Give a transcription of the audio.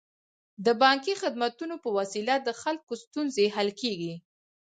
د بانکي خدمتونو په وسیله د خلکو ستونزې حل کیږي.